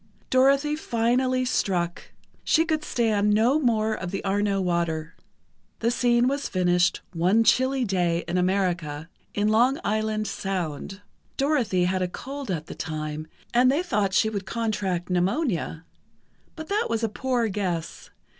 Dorothy finally struck: she could stand no more of the Arno water. The scene was finished one chilly day in America—in Long Island Sound. Dorothy had a cold at the time, and they thought she would contract pneumonia. But that was a poor guess.